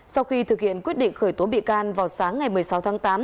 sau khi thực hiện quyết định khởi tố bị can vào sáng ngày một mươi sáu tháng tám